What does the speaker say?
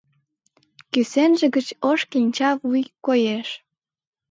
Кӱсенже гыч ош кленча вуй коеш.